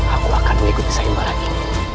aku akan mengikuti saim barat ini